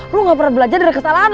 lo gak pernah belajar dari kesalahan lo